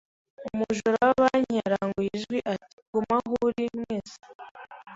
Umujura wa banki yaranguruye ijwi ati: "Guma aho uri, mwese!"